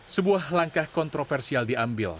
sebuah langkah kontroversial diambil